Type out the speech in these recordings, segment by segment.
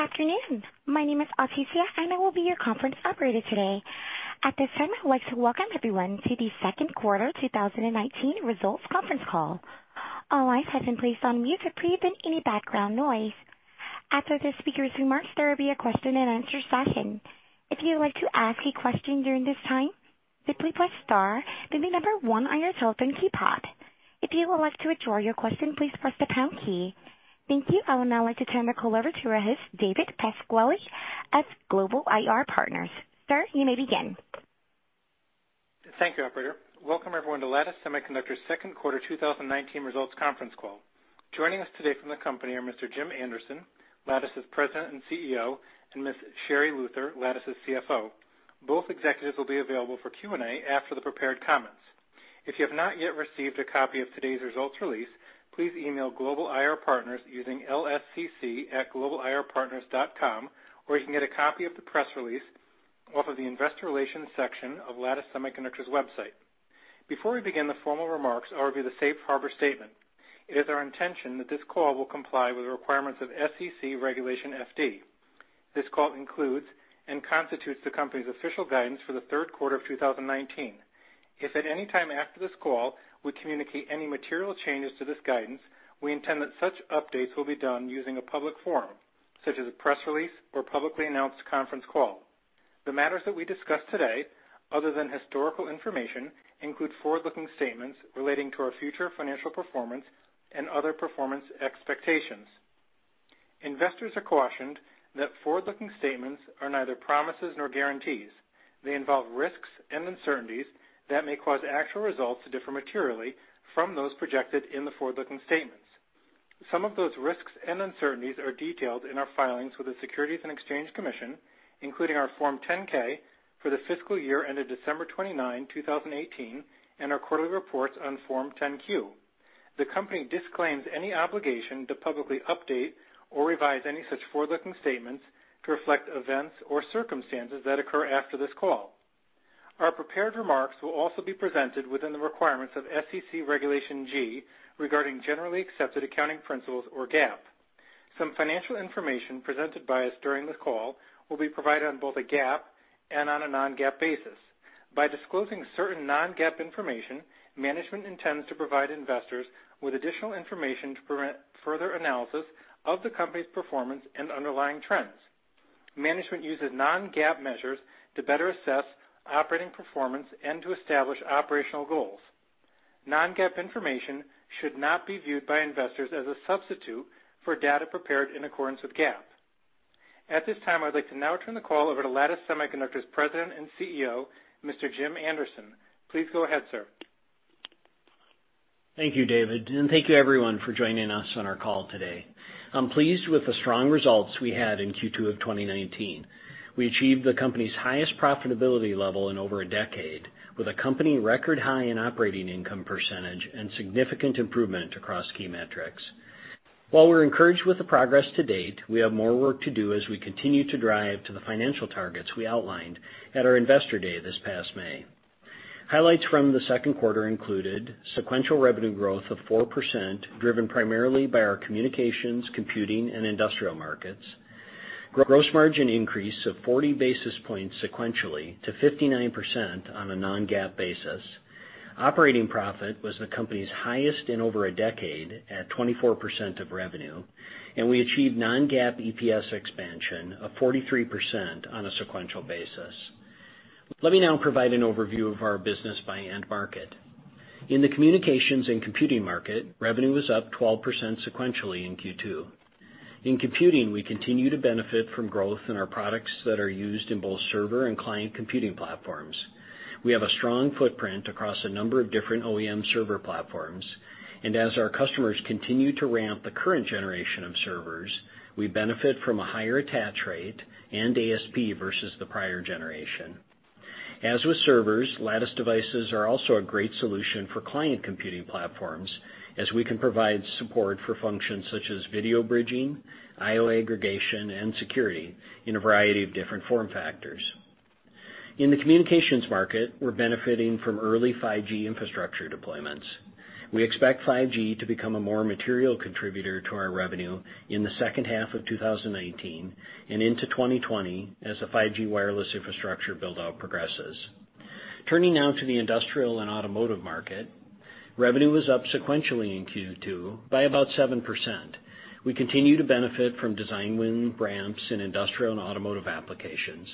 Good afternoon. My name is Atisia, and I will be your conference operator today. At this time, I'd like to welcome everyone to the second quarter 2019 results conference call. All lines have been placed on mute to prevent any background noise. After the speakers' remarks, there will be a question and answer session. If you would like to ask a question during this time, simply press star, then the number 1 on your telephone keypad. If you would like to withdraw your question, please press the pound key. Thank you. I would now like to turn the call over to our host, David Pasquale of Global IR Partners. Sir, you may begin. Thank you, operator. Welcome, everyone, to Lattice Semiconductor's second quarter 2019 results conference call. Joining us today from the company are Mr. Jim Anderson, Lattice's President and CEO, and Ms. Sherri Luther, Lattice's CFO. Both executives will be available for Q&A after the prepared comments. If you have not yet received a copy of today's results release, please email Global IR Partners using lscc@globalirpartners.com, or you can get a copy of the press release off of the investor relations section of Lattice Semiconductor's website. Before we begin the formal remarks, I'll review the safe harbor statement. It is our intention that this call will comply with the requirements of SEC Regulation FD. This call includes and constitutes the company's official guidance for the third quarter of 2019. If at any time after this call we communicate any material changes to this guidance, we intend that such updates will be done using a public forum, such as a press release or publicly announced conference call. The matters that we discuss today, other than historical information, include forward-looking statements relating to our future financial performance and other performance expectations. Investors are cautioned that forward-looking statements are neither promises nor guarantees. They involve risks and uncertainties that may cause actual results to differ materially from those projected in the forward-looking statements. Some of those risks and uncertainties are detailed in our filings with the Securities and Exchange Commission, including our Form 10-K for the fiscal year ended December 29, 2018, and our quarterly reports on Form 10-Q. The company disclaims any obligation to publicly update or revise any such forward-looking statements to reflect events or circumstances that occur after this call. Our prepared remarks will also be presented within the requirements of SEC Regulation G regarding generally accepted accounting principles or GAAP. Some financial information presented by us during the call will be provided on both a GAAP and on a non-GAAP basis. By disclosing certain non-GAAP information, management intends to provide investors with additional information to prevent further analysis of the company's performance and underlying trends. Management uses non-GAAP measures to better assess operating performance and to establish operational goals. Non-GAAP information should not be viewed by investors as a substitute for data prepared in accordance with GAAP. At this time, I'd like to now turn the call over to Lattice Semiconductor's President and CEO, Mr. Jim Anderson. Please go ahead, sir. Thank you, David, and thank you, everyone, for joining us on our call today. I'm pleased with the strong results we had in Q2 of 2019. We achieved the company's highest profitability level in over a decade with a company record high in operating income % and significant improvement across key metrics. While we're encouraged with the progress to date, we have more work to do as we continue to drive to the financial targets we outlined at our Investor Day this past May. Highlights from the second quarter included sequential revenue growth of 4%, driven primarily by our communications, computing, and industrial markets. Gross margin increase of 40 basis points sequentially to 59% on a non-GAAP basis. Operating profit was the company's highest in over a decade at 24% of revenue, and we achieved non-GAAP EPS expansion of 43% on a sequential basis. Let me now provide an overview of our business by end market. In the communications and computing market, revenue was up 12% sequentially in Q2. In computing, we continue to benefit from growth in our products that are used in both server and client computing platforms. We have a strong footprint across a number of different OEM server platforms, and as our customers continue to ramp the current generation of servers, we benefit from a higher attach rate and ASP versus the prior generation. As with servers, Lattice devices are also a great solution for client computing platforms as we can provide support for functions such as video bridging, IO aggregation, and security in a variety of different form factors. In the communications market, we're benefiting from early 5G infrastructure deployments. We expect 5G to become a more material contributor to our revenue in the second half of 2018 and into 2020 as the 5G wireless infrastructure build-out progresses. Turning now to the industrial and automotive market, revenue was up sequentially in Q2 by about 7%. We continue to benefit from design win ramps in industrial and automotive applications.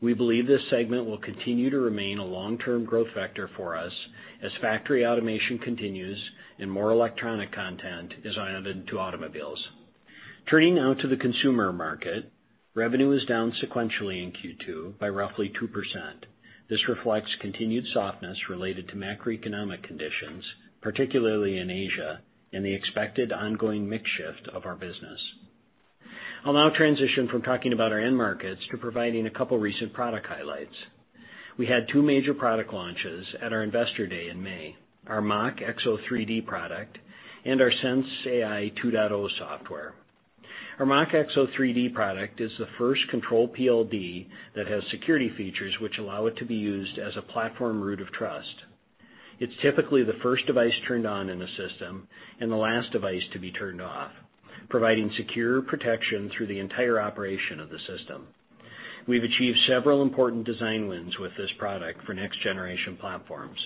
We believe this segment will continue to remain a long-term growth vector for us as factory automation continues and more electronic content is added to automobiles. Turning now to the consumer market, revenue is down sequentially in Q2 by roughly 2%. This reflects continued softness related to macroeconomic conditions, particularly in Asia, and the expected ongoing mix shift of our business. I'll now transition from talking about our end markets to providing a couple recent product highlights. We had two major product launches at our Investor Day in May, our MachXO3D product and our sensAI 2.0 software. Our MachXO3D product is the first control PLD that has security features which allow it to be used as a platform root of trust. It's typically the first device turned on in the system and the last device to be turned off, providing secure protection through the entire operation of the system. We've achieved several important design wins with this product for next-generation platforms.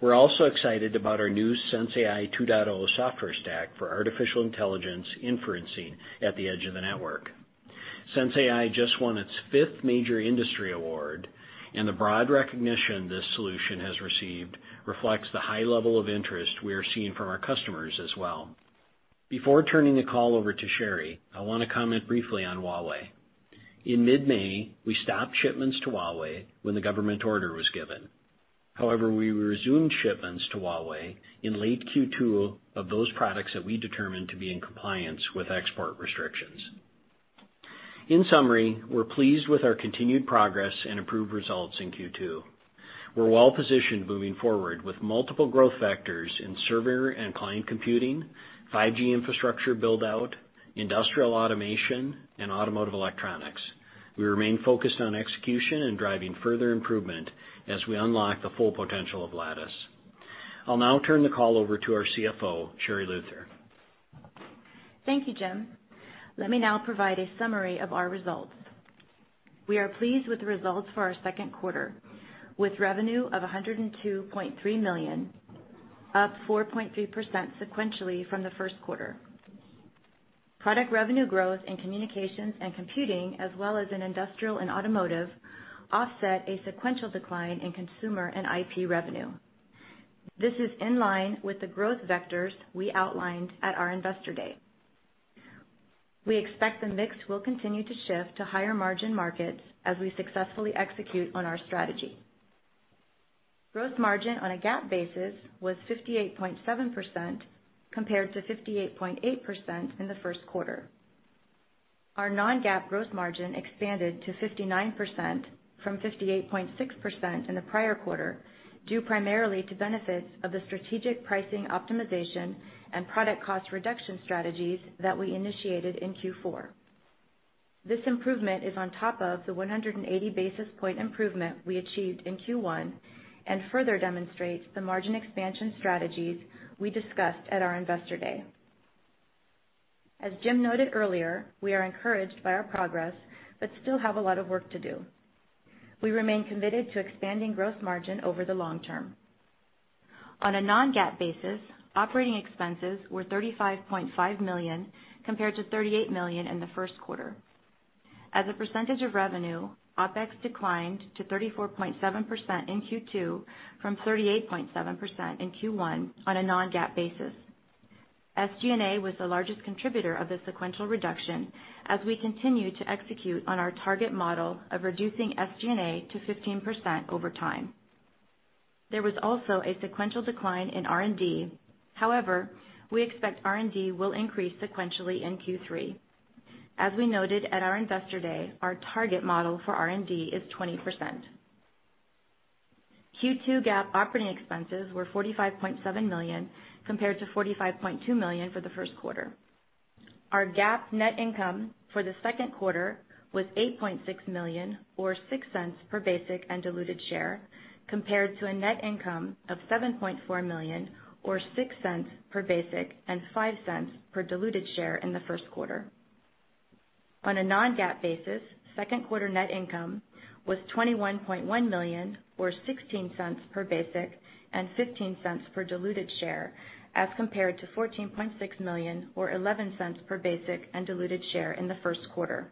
We're also excited about our new sensAI 2.0 software stack for artificial intelligence inferencing at the edge of the network. sensAI just won its fifth major industry award. The broad recognition this solution has received reflects the high level of interest we are seeing from our customers as well. Before turning the call over to Sherri, I want to comment briefly on Huawei. In mid-May, we stopped shipments to Huawei when the government order was given. However, we resumed shipments to Huawei in late Q2 of those products that we determined to be in compliance with export restrictions. In summary, we're pleased with our continued progress and improved results in Q2. We're well-positioned moving forward with multiple growth vectors in server and client computing, 5G infrastructure build-out, industrial automation, and automotive electronics. We remain focused on execution and driving further improvement as we unlock the full potential of Lattice. I'll now turn the call over to our CFO, Sherri Luther. Thank you, Jim. Let me now provide a summary of our results. We are pleased with the results for our second quarter, with revenue of $102.3 million, up 4.3% sequentially from the first quarter. Product revenue growth in communications and computing, as well as in industrial and automotive, offset a sequential decline in consumer and IP revenue. This is in line with the growth vectors we outlined at our investor day. We expect the mix will continue to shift to higher-margin markets as we successfully execute on our strategy. Gross margin on a GAAP basis was 58.7% compared to 58.8% in the first quarter. Our non-GAAP gross margin expanded to 59% from 58.6% in the prior quarter, due primarily to benefits of the strategic pricing optimization and product cost reduction strategies that we initiated in Q4. This improvement is on top of the 180 basis point improvement we achieved in Q1 and further demonstrates the margin expansion strategies we discussed at our investor day. As Jim noted earlier, we are encouraged by our progress but still have a lot of work to do. We remain committed to expanding gross margin over the long term. On a non-GAAP basis, operating expenses were $35.5 million, compared to $38 million in the first quarter. As a percentage of revenue, OpEx declined to 34.7% in Q2 from 38.7% in Q1 on a non-GAAP basis. SG&A was the largest contributor of the sequential reduction as we continue to execute on our target model of reducing SG&A to 15% over time. There was also a sequential decline in R&D. However, we expect R&D will increase sequentially in Q3. As we noted at our investor day, our target model for R&D is 20%. Q2 GAAP operating expenses were $45.7 million, compared to $45.2 million for the first quarter. Our GAAP net income for the second quarter was $8.6 million, or $0.06 per basic and diluted share, compared to a net income of $7.4 million or $0.06 per basic and $0.05 per diluted share in the first quarter. On a non-GAAP basis, second quarter net income was $21.1 million or $0.16 per basic and $0.15 per diluted share, as compared to $14.6 million or $0.11 per basic and diluted share in the first quarter.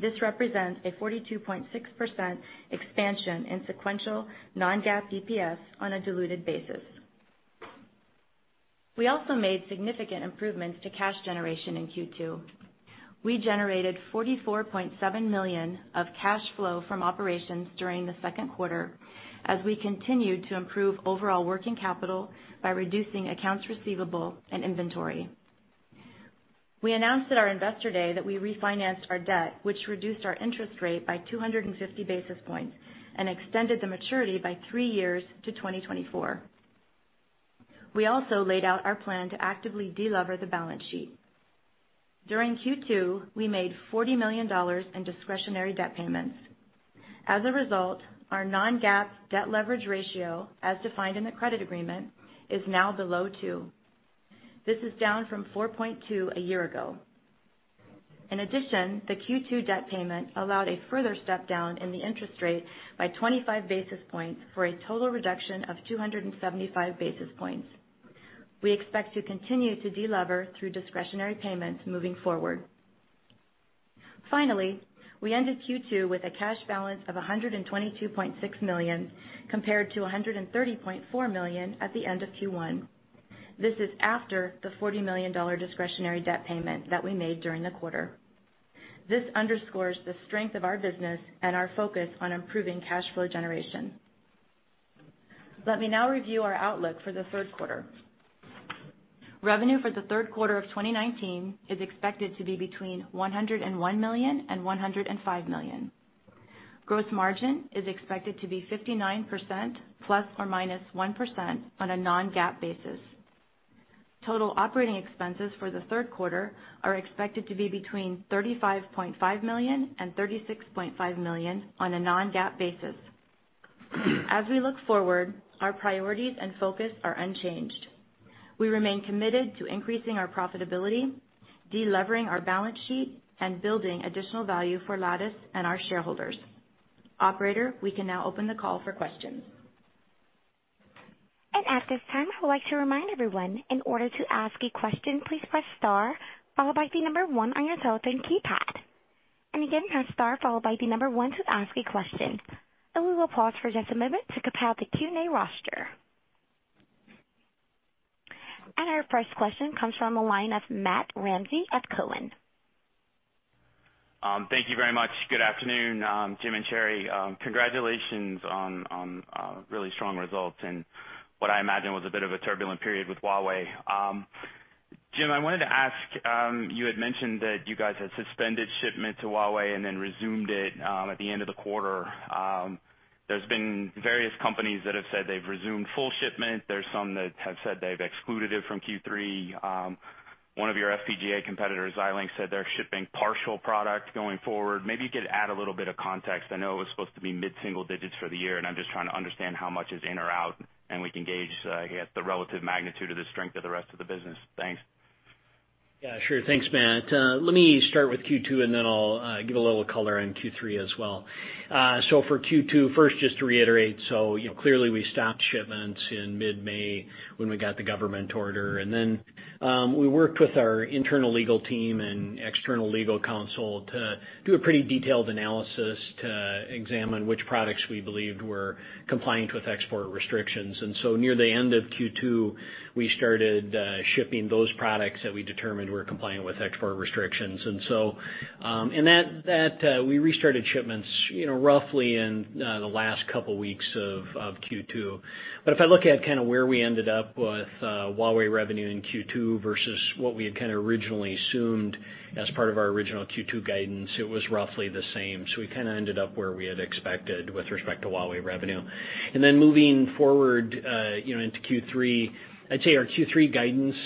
This represents a 42.6% expansion in sequential non-GAAP EPS on a diluted basis. We also made significant improvements to cash generation in Q2. We generated $44.7 million of cash flow from operations during the second quarter as we continued to improve overall working capital by reducing accounts receivable and inventory. We announced at our investor day that we refinanced our debt, which reduced our interest rate by 250 basis points and extended the maturity by three years to 2024. We also laid out our plan to actively de-lever the balance sheet. During Q2, we made $40 million in discretionary debt payments. As a result, our non-GAAP debt leverage ratio, as defined in the credit agreement, is now below two. This is down from 4.2 a year ago. In addition, the Q2 debt payment allowed a further step-down in the interest rate by 25 basis points for a total reduction of 275 basis points. We expect to continue to de-lever through discretionary payments moving forward. Finally, we ended Q2 with a cash balance of $122.6 million, compared to $130.4 million at the end of Q1. This is after the $40 million discretionary debt payment that we made during the quarter. This underscores the strength of our business and our focus on improving cash flow generation. Let me now review our outlook for the third quarter. Revenue for the third quarter of 2019 is expected to be between $101 million and $105 million. Gross margin is expected to be 59% ±1% on a non-GAAP basis. Total operating expenses for the third quarter are expected to be between $35.5 million and $36.5 million on a non-GAAP basis. As we look forward, our priorities and focus are unchanged. We remain committed to increasing our profitability, de-levering our balance sheet, and building additional value for Lattice and our shareholders. Operator, we can now open the call for questions. At this time, I would like to remind everyone, in order to ask a question, please press star followed by the number 1 on your telephone keypad. Again, press star followed by the number 1 to ask a question. We will pause for just a moment to compile the Q&A roster. Our first question comes from the line of Matt Ramsay at Cowen. Thank you very much. Good afternoon, Jim and Sherri. Congratulations on really strong results in what I imagine was a bit of a turbulent period with Huawei. Jim, I wanted to ask, you had mentioned that you guys had suspended shipment to Huawei and then resumed it at the end of the quarter. There's been various companies that have said they've resumed full shipment. There's some that have said they've excluded it from Q3. One of your FPGA competitors, Xilinx, said they're shipping partial product going forward. Maybe you could add a little bit of context. I know it was supposed to be mid-single digits for the year, and I'm just trying to understand how much is in or out, and we can gauge the relative magnitude of the strength of the rest of the business. Thanks. Yeah, sure. Thanks, Matt. Let me start with Q2, and then I'll give a little color on Q3 as well. For Q2, first, just to reiterate, so clearly we stopped shipments in mid-May when we got the government order. We worked with our internal legal team and external legal counsel to do a pretty detailed analysis to examine which products we believed were compliant with export restrictions. Near the end of Q2, we started shipping those products that we determined were compliant with export restrictions. We restarted shipments roughly in the last couple of weeks of Q2. If I look at kind of where we ended up with Huawei revenue in Q2 versus what we had kind of originally assumed as part of our original Q2 guidance, it was roughly the same. We kind of ended up where we had expected with respect to Huawei revenue. Moving forward into Q3, I'd say our Q3 guidance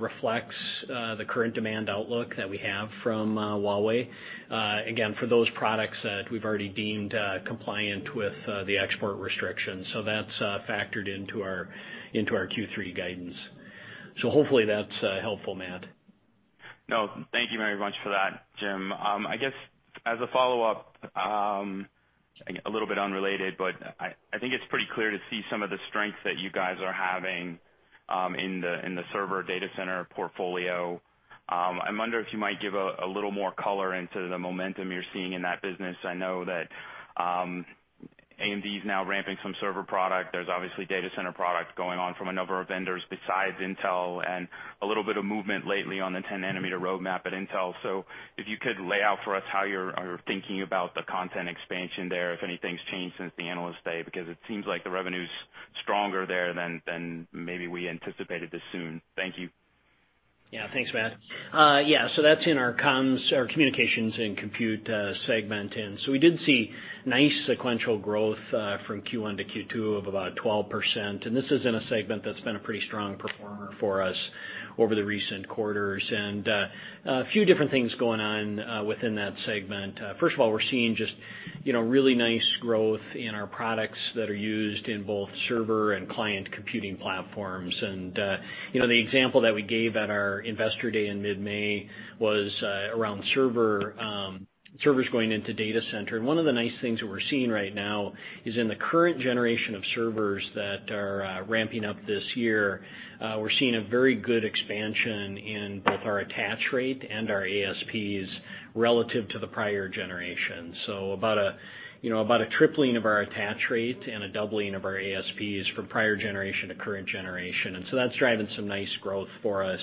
reflects the current demand outlook that we have from Huawei. Again, for those products that we've already deemed compliant with the export restrictions. That's factored into our Q3 guidance. Hopefully that's helpful, Matt. Thank you very much for that, Jim. I guess as a follow-up, a little bit unrelated, but I think it's pretty clear to see some of the strengths that you guys are having in the server data center portfolio. I wonder if you might give a little more color into the momentum you're seeing in that business. I know that AMD's now ramping some server product. There's obviously data center product going on from a number of vendors besides Intel, and a little bit of movement lately on the 10 nanometer roadmap at Intel. If you could lay out for us how you're thinking about the content expansion there, if anything's changed since the Analyst Day, because it seems like the revenue's stronger there than maybe we anticipated this soon. Thank you. Thanks, Matt. That's in our comms, our Communications and Compute Segment. We did see nice sequential growth from Q1 to Q2 of about 12%. This is in a segment that's been a pretty strong performer for us over the recent quarters. A few different things going on within that segment. First of all, we're seeing just really nice growth in our products that are used in both server and client computing platforms. The example that we gave at our Investor Day in mid-May was around servers going into data center. One of the nice things that we're seeing right now is in the current generation of servers that are ramping up this year, we're seeing a very good expansion in both our attach rate and our ASPs relative to the prior generation. About a tripling of our attach rate and a doubling of our ASPs from prior generation to current generation. That's driving some nice growth for us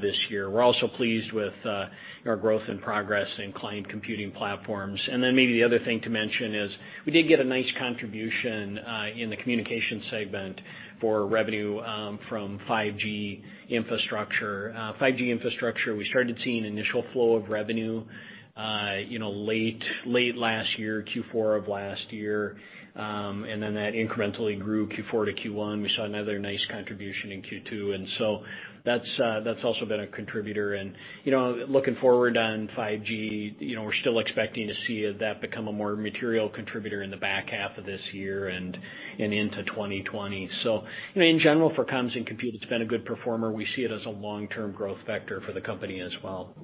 this year. We're also pleased with our growth and progress in client computing platforms. Maybe the other thing to mention is we did get a nice contribution in the communication segment for revenue from 5G infrastructure. 5G infrastructure, we started seeing initial flow of revenue late last year, Q4 of last year, and then that incrementally grew Q4 to Q1. We saw another nice contribution in Q2, and so that's also been a contributor. Looking forward on 5G, we're still expecting to see that become a more material contributor in the back half of this year and into 2020. In general, for comms and compute, it's been a good performer. We see it as a long-term growth vector for the company as well.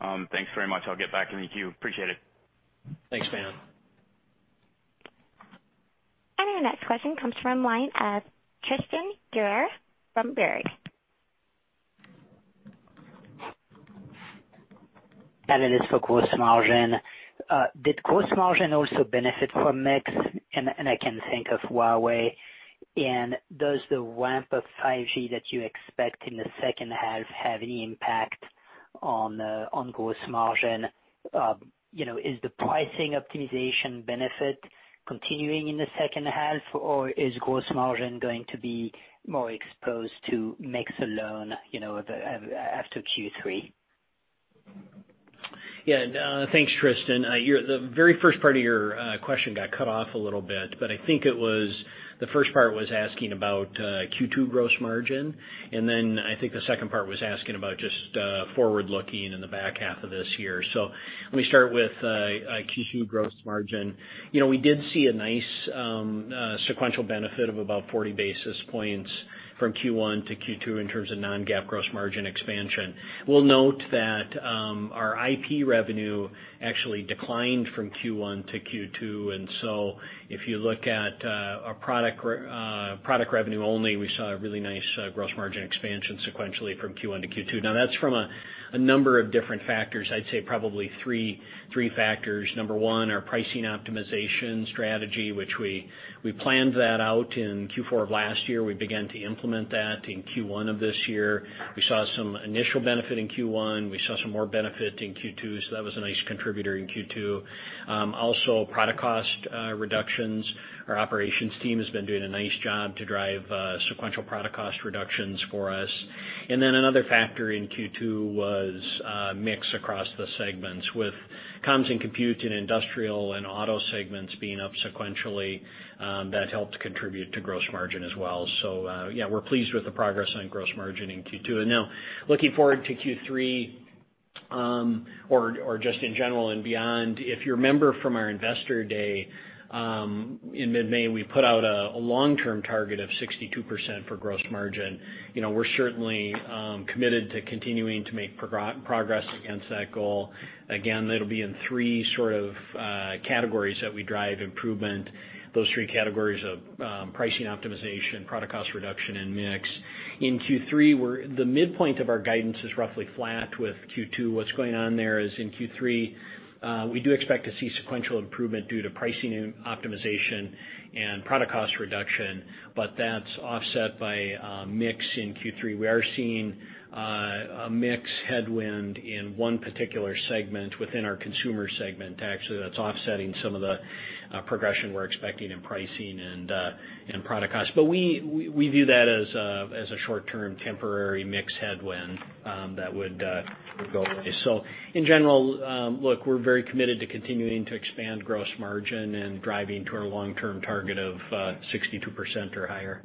Thanks very much. I'll get back in the queue. Appreciate it. Thanks, Matt. Our next question comes from line of Tristan Gerra from Baird. This is for gross margin. Did gross margin also benefit from mix? I can think of Huawei. Does the ramp of 5G that you expect in the second half have any impact on gross margin? Is the pricing optimization benefit continuing in the second half, or is gross margin going to be more exposed to mix alone after Q3? Thanks, Tristan. The very first part of your question got cut off a little bit, but I think the first part was asking about Q2 gross margin, and then I think the second part was asking about just forward-looking in the back half of this year. Let me start with Q2 gross margin. We did see a nice sequential benefit of about 40 basis points from Q1 to Q2 in terms of non-GAAP gross margin expansion. We'll note that our IP revenue actually declined from Q1 to Q2, if you look at our product revenue only, we saw a really nice gross margin expansion sequentially from Q1 to Q2. That's from a number of different factors. I'd say probably three factors. Number one, our pricing optimization strategy, which we planned that out in Q4 of last year. We began to implement that in Q1 of this year. We saw some initial benefit in Q1. We saw some more benefit in Q2, so that was a nice contributor in Q2. Product cost reductions. Our operations team has been doing a nice job to drive sequential product cost reductions for us. Another factor in Q2 was mix across the segments with comms and compute and industrial and auto segments being up sequentially. That helped contribute to gross margin as well. Yeah, we're pleased with the progress on gross margin in Q2. Looking forward to Q3, or just in general and beyond, if you remember from our investor day in mid-May, we put out a long-term target of 62% for gross margin. We're certainly committed to continuing to make progress against that goal. Again, that'll be in 3 sort of categories that we drive improvement. Those 3 categories of pricing optimization, product cost reduction, and mix. In Q3, the midpoint of our guidance is roughly flat with Q2. What's going on there is in Q3, we do expect to see sequential improvement due to pricing optimization and product cost reduction. That's offset by mix in Q3. We are seeing a mix headwind in one particular segment within our consumer segment, actually, that's offsetting some of the progression we're expecting in pricing and product cost. We view that as a short-term temporary mix headwind that would go away. In general, look, we're very committed to continuing to expand gross margin and driving to our long-term target of 62% or higher.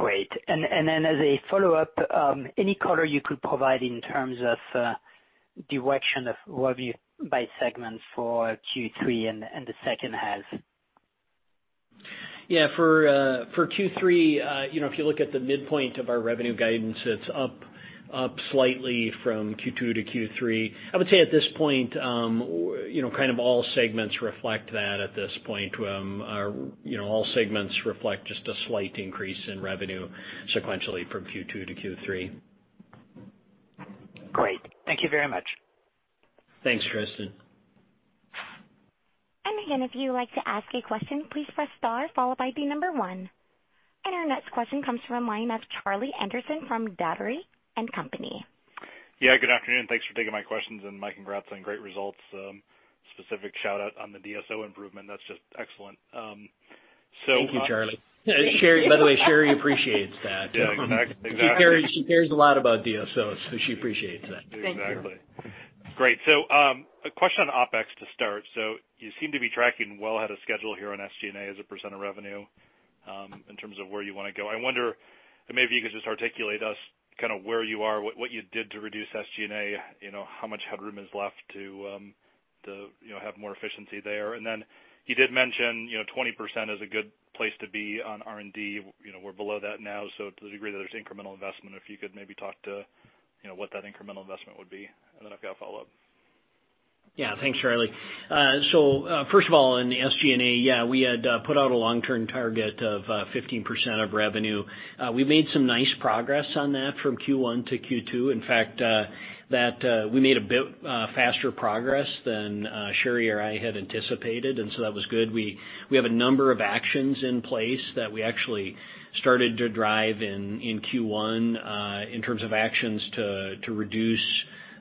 Great. As a follow-up, any color you could provide in terms of direction of revenue by segment for Q3 and the second half? Yeah. For Q3, if you look at the midpoint of our revenue guidance, it's up slightly from Q2 to Q3. I would say at this point, kind of all segments reflect that at this point. All segments reflect just a slight increase in revenue sequentially from Q2 to Q3. Great. Thank you very much. Thanks, Tristan. Again, if you would like to ask a question, please press star followed by the number one. Our next question comes from the line of Charlie Anderson from Dougherty & Company. Yeah. Good afternoon. Thanks for taking my questions, and Mike, congrats on great results. Specific shout-out on the DSO improvement. That's just excellent. Thank you, Charlie. By the way, Sherri appreciates that. Yeah, exactly. She cares a lot about DSOs, so she appreciates that. Thank you. Exactly. Great. A question on OpEx to start. You seem to be tracking well ahead of schedule here on SG&A as a percent of revenue in terms of where you want to go. I wonder if maybe you could just articulate to us kind of where you are, what you did to reduce SG&A, how much headroom is left to have more efficiency there. You did mention 20% is a good place to be on R&D. We're below that now, so to the degree that there's incremental investment, if you could maybe talk to what that incremental investment would be. I've got a follow-up. Thanks, Charlie. First of all, in the SG&A, we had put out a long-term target of 15% of revenue. We made some nice progress on that from Q1 to Q2. In fact, we made a bit faster progress than Sherri or I had anticipated. That was good. We have a number of actions in place that we actually started to drive in Q1 in terms of actions to reduce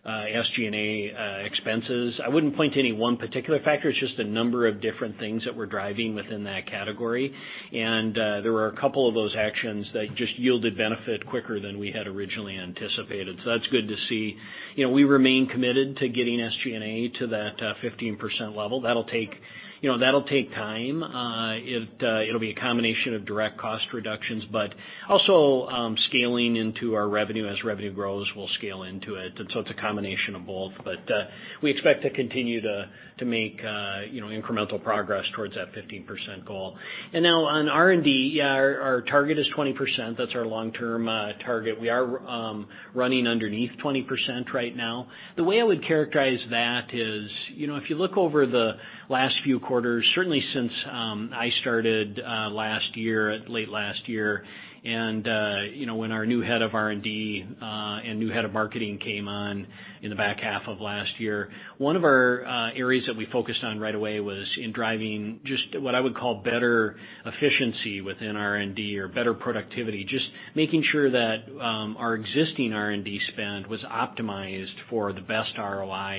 SG&A expenses. I wouldn't point to any one particular factor. It's just a number of different things that we're driving within that category. There were a couple of those actions that just yielded benefit quicker than we had originally anticipated. That's good to see. We remain committed to getting SG&A to that 15% level. That'll take time. It'll be a combination of direct cost reductions, but also scaling into our revenue. As revenue grows, we'll scale into it. So it's a combination of both. We expect to continue to make incremental progress towards that 15% goal. Now on R&D, yeah, our target is 20%. That's our long-term target. We are running underneath 20% right now. The way I would characterize that is, if you look over the last few quarters, certainly since I started late last year and when our new head of R&D and new head of marketing came on in the back half of last year, one of our areas that we focused on right away was in driving just what I would call better efficiency within R&D or better productivity, just making sure that our existing R&D spend was optimized for the best ROI.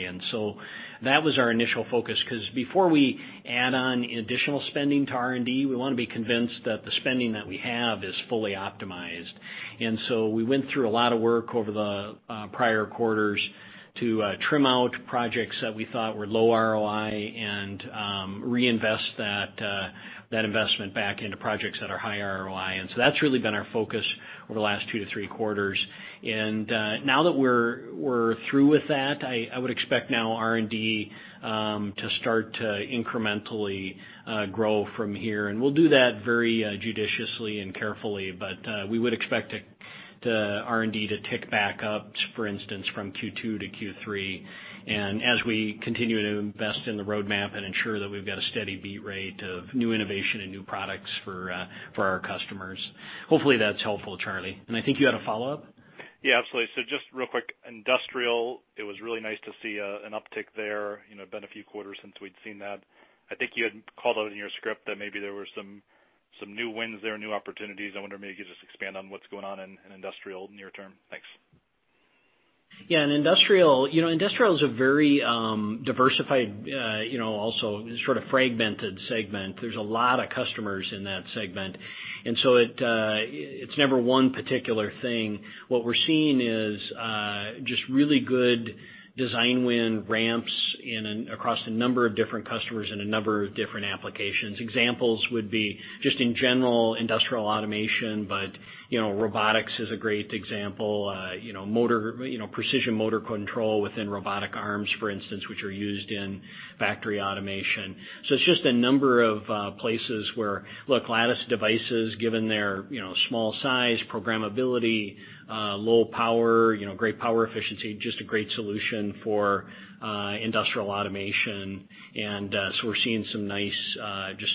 That was our initial focus, because before we add on additional spending to R&D, we want to be convinced that the spending that we have is fully optimized. We went through a lot of work over the prior quarters to trim out projects that we thought were low ROI and reinvest that investment back into projects that are high ROI. That's really been our focus over the last two to three quarters. Now that we're through with that, I would expect now R&D to start to incrementally grow from here, and we'll do that very judiciously and carefully. We would expect R&D to tick back up, for instance, from Q2 to Q3. As we continue to invest in the roadmap and ensure that we've got a steady beat rate of new innovation and new products for our customers. Hopefully, that's helpful, Charlie. I think you had a follow-up? Yeah, absolutely. Just real quick, industrial, it was really nice to see an uptick there. Been a few quarters since we'd seen that. I think you had called out in your script that maybe there were some new wins there, new opportunities. I wonder maybe you could just expand on what's going on in industrial near term. Thanks. Yeah, in industrial is a very diversified, also sort of fragmented segment. There's a lot of customers in that segment. It's never one particular thing. What we're seeing is just really good design win ramps across a number of different customers in a number of different applications. Examples would be just in general, industrial automation. Robotics is a great example. Precision motor control within robotic arms, for instance, which are used in factory automation. It's just a number of places where, look, Lattice devices, given their small size, programmability, low power, great power efficiency, just a great solution for industrial automation. We're seeing some just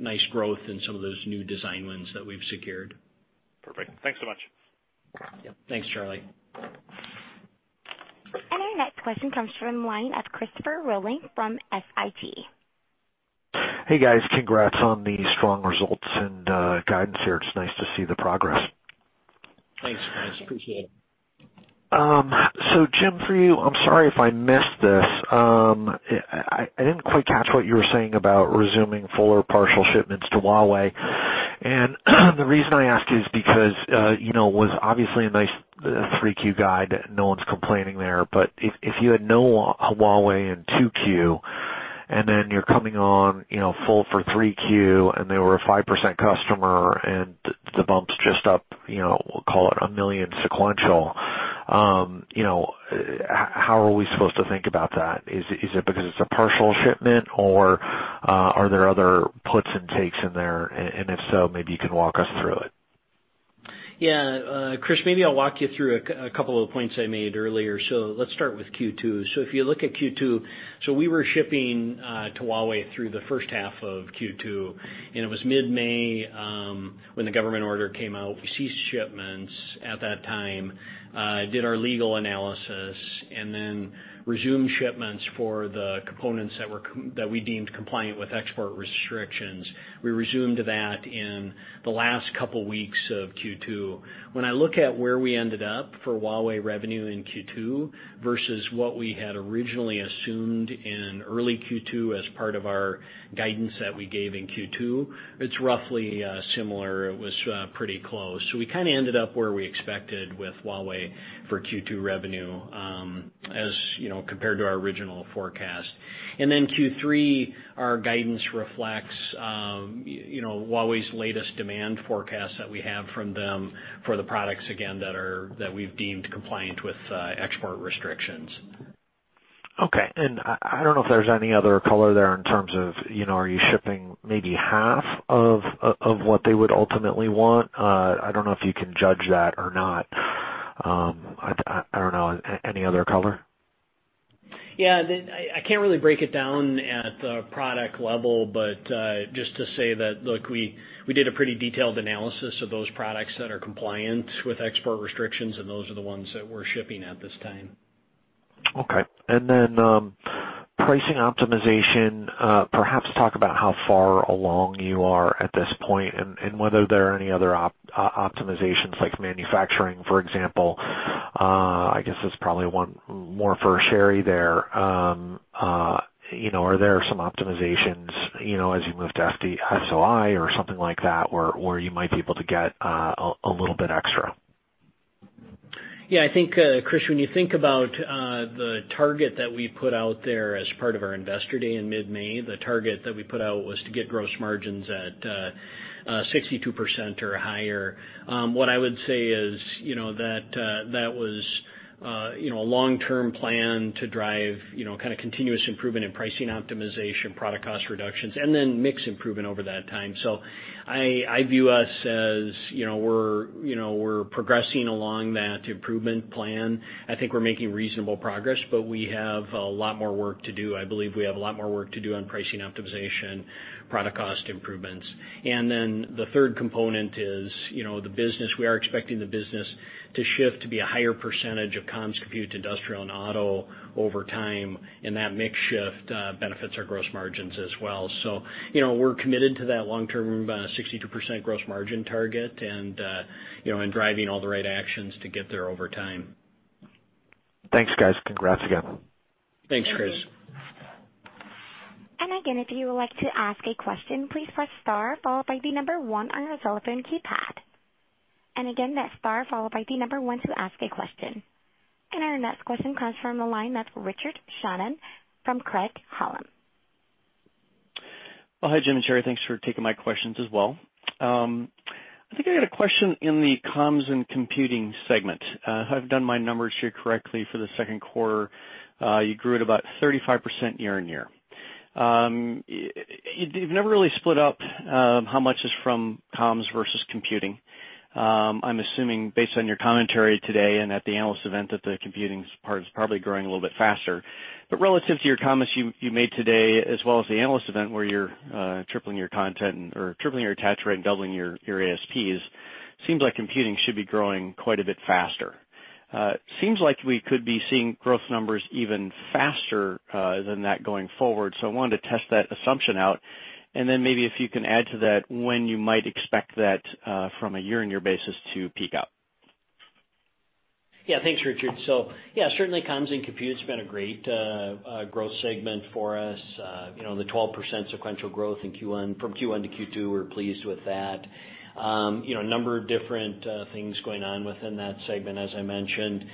nice growth in some of those new design wins that we've secured. Perfect. Thanks so much. Yep. Thanks, Charlie. Our next question comes from the line of Christopher Rolland from Susquehanna. Hey, guys. Congrats on the strong results and guidance there. It's nice to see the progress. Thanks, Chris. Appreciate it. Jim, for you, I'm sorry if I missed this. I didn't quite catch what you were saying about resuming full or partial shipments to Huawei. The reason I ask is because, was obviously a nice 3Q guide. No one's complaining there, but if you had no Huawei in 2Q, and then you're coming on full for 3Q, and they were a 5% customer, and the bump's just up, call it $1 million sequential. How are we supposed to think about that? Is it because it's a partial shipment, or are there other puts and takes in there? If so, maybe you can walk us through it. Yeah. Chris, maybe I'll walk you through a couple of points I made earlier. Let's start with Q2. If you look at Q2, we were shipping to Huawei through the first half of Q2, and it was mid-May when the government order came out. We ceased shipments at that time, did our legal analysis, and then resumed shipments for the components that we deemed compliant with export restrictions. We resumed that in the last couple of weeks of Q2. When I look at where we ended up for Huawei revenue in Q2 versus what we had originally assumed in early Q2 as part of our guidance that we gave in Q2, it's roughly similar. It was pretty close. We kind of ended up where we expected with Huawei for Q2 revenue, as compared to our original forecast. Q3, our guidance reflects Huawei's latest demand forecast that we have from them for the products, again, that we've deemed compliant with export restrictions. Okay. I don't know if there's any other color there in terms of, are you shipping maybe half of what they would ultimately want? I don't know if you can judge that or not. I don't know. Any other color? Yeah, I can't really break it down at the product level, but just to say that, look, we did a pretty detailed analysis of those products that are compliant with export restrictions, and those are the ones that we're shipping at this time. Okay. Then, pricing optimization, perhaps talk about how far along you are at this point and whether there are any other optimizations like manufacturing, for example. I guess that's probably one more for Sherri there. Are there some optimizations as you move to SOI or something like that where you might be able to get a little bit extra? Yeah, I think, Chris, when you think about the target that we put out there as part of our investor day in mid-May, the target that we put out was to get gross margins at 62% or higher. What I would say is that was a long-term plan to drive kind of continuous improvement in pricing optimization, product cost reductions, and then mix improvement over that time. I view us as we're progressing along that improvement plan. I think we're making reasonable progress, but we have a lot more work to do. I believe we have a lot more work to do on pricing optimization, product cost improvements. The third component is the business. We are expecting the business to shift to be a higher percentage of comms, compute, industrial, and auto over time, and that mix shift benefits our gross margins as well. We're committed to that long-term, 62% gross margin target and driving all the right actions to get there over time. Thanks, guys. Congrats again. Thanks, Chris. Again, if you would like to ask a question, please press star followed by 1 on your telephone keypad. Again, that's star followed by 1 to ask a question. Our next question comes from the line of Richard Shannon from Craig-Hallum. Well, hi, Jim and Sherri. Thanks for taking my questions as well. I think I had a question in the comms and computing segment. If I've done my numbers here correctly for the second quarter, you grew at about 35% year-over-year. You've never really split up how much is from comms versus computing. I'm assuming based on your commentary today and at the analyst event that the computing part is probably growing a little bit faster. Relative to your comments you made today, as well as the analyst event where you're tripling your attach rate and doubling your ASPs, seems like computing should be growing quite a bit faster. Seems like we could be seeing growth numbers even faster than that going forward. I wanted to test that assumption out, and then maybe if you can add to that when you might expect that, from a year-on-year basis, to peak out. Thanks, Richard. Certainly comms and compute's been a great growth segment for us. The 12% sequential growth from Q1 to Q2, we're pleased with that. A number of different things going on within that segment, as I mentioned.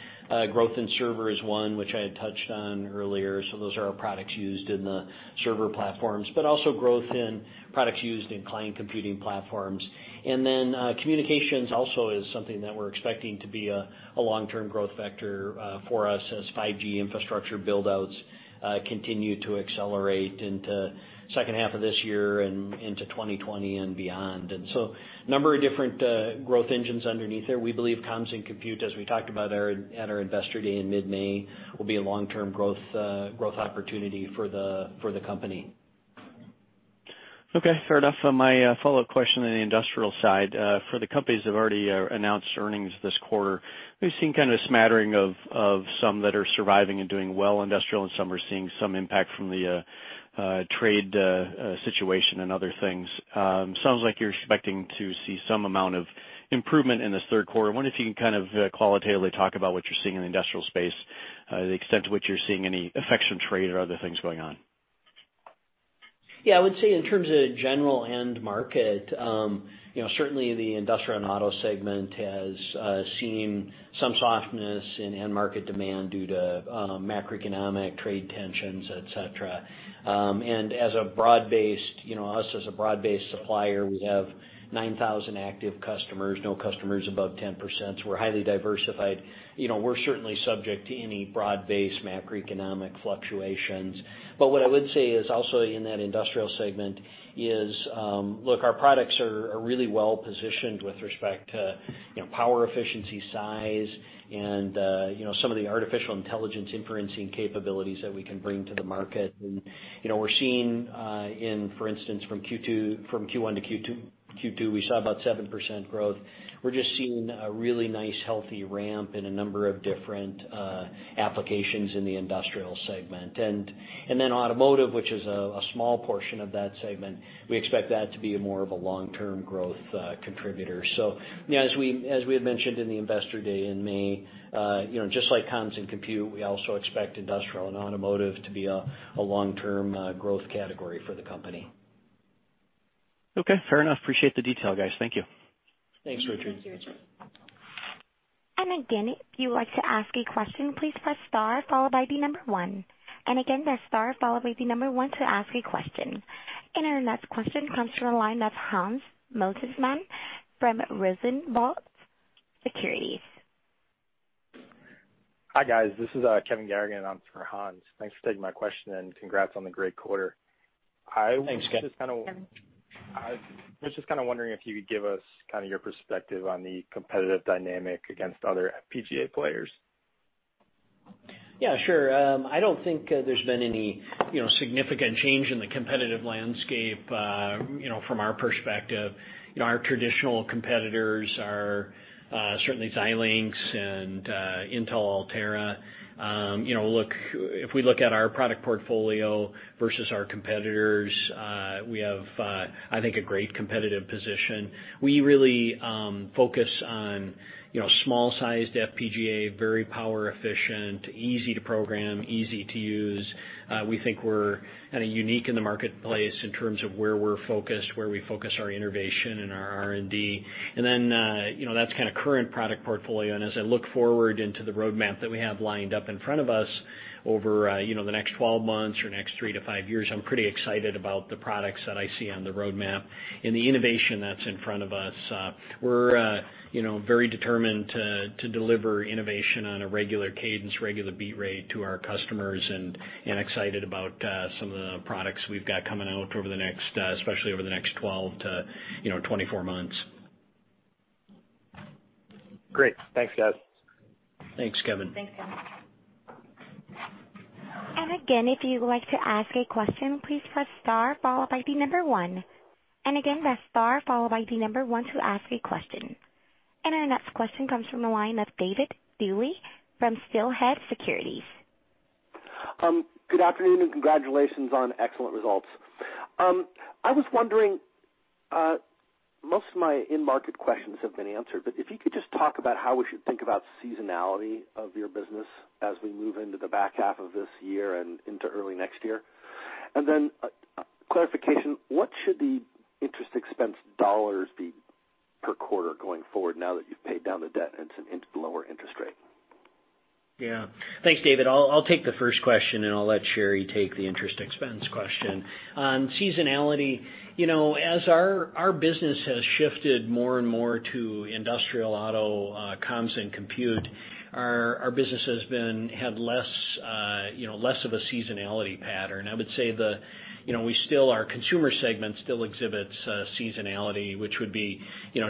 Growth in server is one, which I had touched on earlier. Those are our products used in the server platforms, but also growth in products used in client computing platforms. Communications also is something that we're expecting to be a long-term growth vector for us as 5G infrastructure build-outs continue to accelerate into second half of this year and into 2020 and beyond. Number of different growth engines underneath there. We believe comms and compute, as we talked about at our investor day in mid-May, will be a long-term growth opportunity for the company. Okay, fair enough. My follow-up question on the industrial side. For the companies that have already announced earnings this quarter, we've seen kind of a smattering of some that are surviving and doing well industrial, and some are seeing some impact from the trade situation and other things. Sounds like you're expecting to see some amount of improvement in this third quarter. I wonder if you can kind of qualitatively talk about what you're seeing in the industrial space, the extent to which you're seeing any effects from trade or other things going on. Yeah. I would say in terms of general end market, certainly the industrial and auto segment has seen some softness in end market demand due to macroeconomic trade tensions, et cetera. Us as a broad-based supplier, we have 9,000 active customers, no customers above 10%, so we're highly diversified. We're certainly subject to any broad-based macroeconomic fluctuations. What I would say is also in that industrial segment is, look, our products are really well-positioned with respect to power efficiency, size, and some of the artificial intelligence inferencing capabilities that we can bring to the market. We're seeing, for instance, from Q1 to Q2, we saw about 7% growth. We're just seeing a really nice, healthy ramp in a number of different applications in the industrial segment. Automotive, which is a small portion of that segment, we expect that to be more of a long-term growth contributor. Yeah, as we had mentioned in the investor day in May, just like comms and compute, we also expect industrial and automotive to be a long-term growth category for the company. Okay, fair enough. Appreciate the detail, guys. Thank you. Thanks, Richard. Thanks, Richard. Again, if you would like to ask a question, please press star followed by the number one. Again, that's star followed by the number one to ask a question. Our next question comes from the line of Hans Mosesmann from Rosenblatt Securities. Hi, guys. This is Kevin Garrigan in for Hans. Thanks for taking my question and congrats on the great quarter. Thanks, Kevin. Kevin. I was just kind of wondering if you could give us your perspective on the competitive dynamic against other FPGA players. Yeah, sure. I don't think there's been any significant change in the competitive landscape from our perspective. Our traditional competitors are certainly Xilinx and Altera. If we look at our product portfolio versus our competitors, we have, I think, a great competitive position. We really focus on small-sized FPGA, very power efficient, easy to program, easy to use. We think we're kind of unique in the marketplace in terms of where we're focused, where we focus our innovation and our R&D. That's kind of current product portfolio, and as I look forward into the roadmap that we have lined up in front of us over the next 12 months or next three to five years, I'm pretty excited about the products that I see on the roadmap and the innovation that's in front of us. We're very determined to deliver innovation on a regular cadence, regular beat rate to our customers, and excited about some of the products we've got coming out, especially over the next 12-24 months. Great. Thanks, guys. Thanks, Kevin. Thanks, Kevin. Again, if you would like to ask a question, please press star followed by the number 1. Again, that's star followed by the number 1 to ask a question. Our next question comes from the line of David Dewey from Stifel Nicolaus. Good afternoon. Congratulations on excellent results. I was wondering, most of my in-market questions have been answered, but if you could just talk about how we should think about seasonality of your business as we move into the back half of this year and into early next year. Clarification, what should the interest expense dollars be per quarter going forward now that you've paid down the debt and it's a lower interest rate? Yeah. Thanks, David. I'll take the first question, and I'll let Sherri take the interest expense question. On seasonality, as our business has shifted more and more to industrial, auto, comms, and compute, our business has had less of a seasonality pattern. I would say our consumer segment still exhibits seasonality, which would be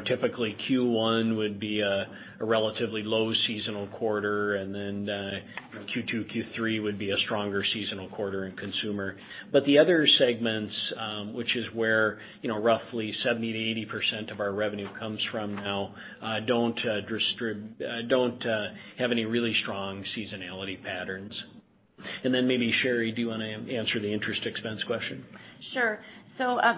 typically Q1 would be a relatively low seasonal quarter, and then Q2, Q3 would be a stronger seasonal quarter in consumer. The other segments, which is where roughly 70%-80% of our revenue comes from now, don't have any really strong seasonality patterns. Maybe, Sherri, do you want to answer the interest expense question? Sure.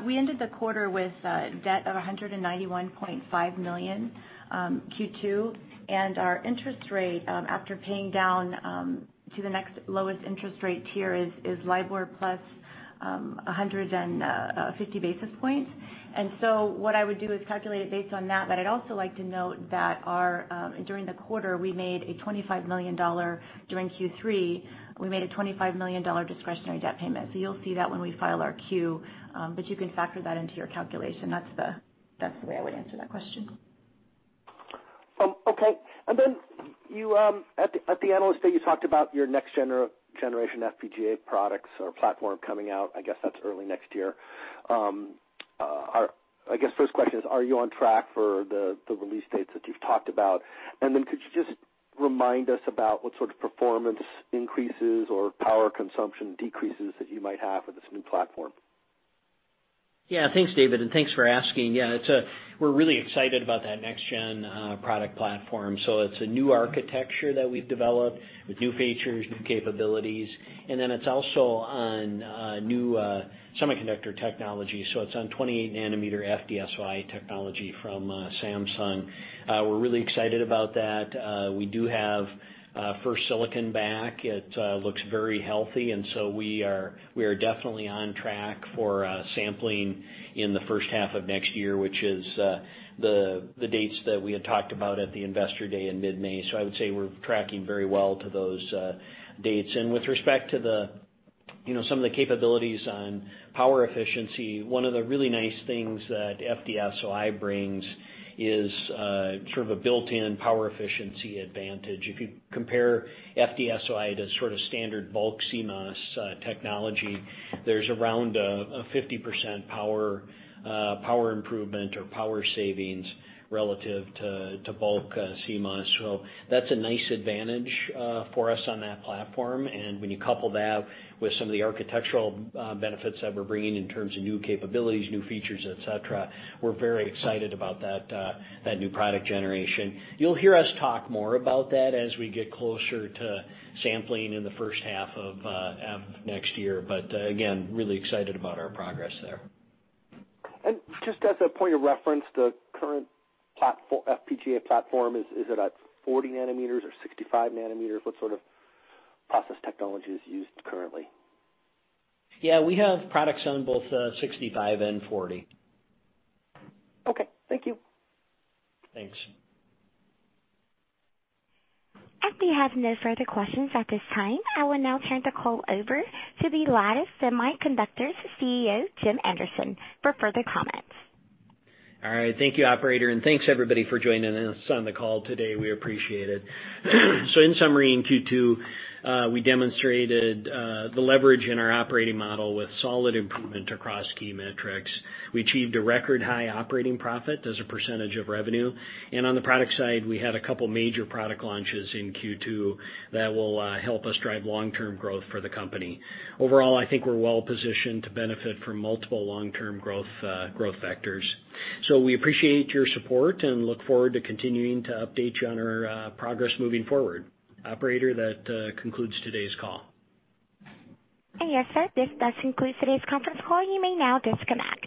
We ended the quarter with debt of $191.5 million Q2, and our interest rate, after paying down to the next lowest interest rate tier, is LIBOR plus 150 basis points. What I would do is calculate it based on that, but I'd also like to note that during Q3, we made a $25 million discretionary debt payment. You'll see that when we file our Q, but you can factor that into your calculation. That's the way I would answer that question. Okay. At the Analyst Day, you talked about your next generation FPGA products or platform coming out. I guess that's early next year. I guess first question is, are you on track for the release dates that you've talked about? Could you just remind us about what sort of performance increases or power consumption decreases that you might have with this new platform? Thanks, David, and thanks for asking. We're really excited about that next gen product platform. It's a new architecture that we've developed with new features, new capabilities, and it's also on new semiconductor technology. It's on 28-nanometer FDSOI technology from Samsung. We're really excited about that. We do have first silicon back. It looks very healthy. We are definitely on track for sampling in the first half of next year, which is the dates that we had talked about at the Investor Day in mid-May. I would say we're tracking very well to those dates. With respect to some of the capabilities on power efficiency, one of the really nice things that FDSOI brings is sort of a built-in power efficiency advantage. If you compare FDSOI to sort of standard bulk CMOS technology, there's around a 50% power improvement or power savings relative to bulk CMOS. That's a nice advantage for us on that platform. When you couple that with some of the architectural benefits that we're bringing in terms of new capabilities, new features, et cetera, we're very excited about that new product generation. You'll hear us talk more about that as we get closer to sampling in the first half of next year, but again, really excited about our progress there. Just as a point of reference, the current FPGA platform, is it at 40 nanometers or 65 nanometers? What sort of process technology is used currently? Yeah, we have products on both 65 and 40. Okay. Thank you. Thanks. As we have no further questions at this time, I will now turn the call over to the Lattice Semiconductor's CEO, Jim Anderson, for further comments. All right. Thank you, operator, and thanks everybody for joining us on the call today. We appreciate it. In summary, in Q2, we demonstrated the leverage in our operating model with solid improvement across key metrics. We achieved a record high operating profit as a percentage of revenue, and on the product side, we had a couple major product launches in Q2 that will help us drive long-term growth for the company. Overall, I think we're well positioned to benefit from multiple long-term growth vectors. We appreciate your support and look forward to continuing to update you on our progress moving forward. Operator, that concludes today's call. Yes, sir. This does conclude today's conference call. You may now disconnect.